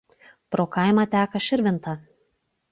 Pro kaimą teka Širvinta.